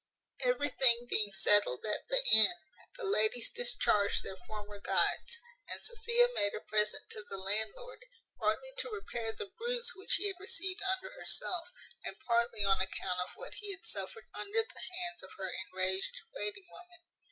Everything being settled at the inn, the ladies discharged their former guides, and Sophia made a present to the landlord, partly to repair the bruise which he had received under herself, and partly on account of what he had suffered under the hands of her enraged waiting woman.